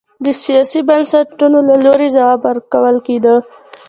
د سیاسي بنسټونو له لوري ځواب ورکول کېده.